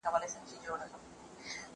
هر ماښام به رنگ په رنگ وه خوراكونه